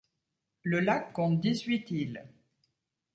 Le lac compte dix-huit îles.